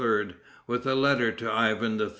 with a letter to Ivan III.